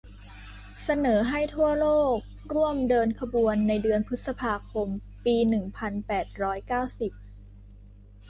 เสนอให้ทั่วโลกร่วมเดินขบวนในเดือนพฤษภาคมปีหนึ่งพันแปดร้อยเก้าสิบ